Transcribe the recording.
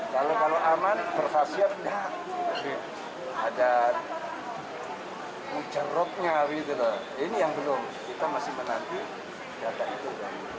kalau kalau aman berfasiat tidak ada ujarotnya ini yang belum kita masih menanti jatah itu